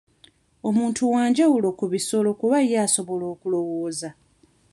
Omuntu wanjawulo ku bisolo kuba ye asobola okulowooza.